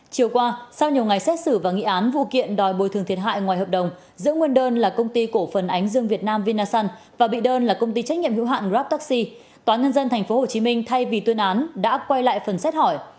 chiều qua sau nhiều ngày xét xử và nghị án vụ kiện đòi bồi thường thiệt hại ngoài hợp đồng giữa nguyên đơn là công ty cổ phần ánh dương việt nam vinasun và bị đơn là công ty trách nhiệm hữu hạn grabtaxi tòa nhân dân tp hcm thay vì tuyên án đã quay lại phần xét hỏi